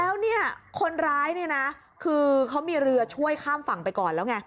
แล้วคนเวรี่นนี่คืเงือก็มีเรือช่วยข้ามฝั่งไปก่อนแล้ว